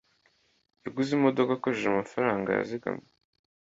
yaguze imodoka akoresheje amafaranga yazigamye.